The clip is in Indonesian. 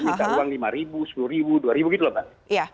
minta uang lima ribu sepuluh ribu dua ribu gitu loh mbak